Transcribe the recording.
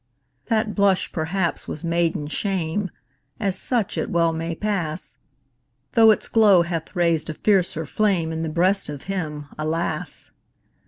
That blush, perhaps, was maiden shame As such it well may pass Though its glow hath raised a fiercer flame In the breast of him, alas!